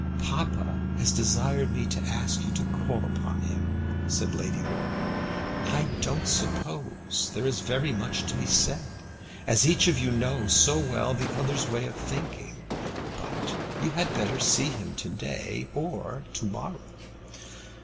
"Papa has desired me to ask you to call upon him," said Lady Laura. "I don't suppose there is very much to be said, as each of you know so well the other's way of thinking. But you had better see him to day or to morrow."